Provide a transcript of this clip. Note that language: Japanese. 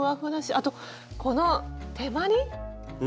あとこの手まり。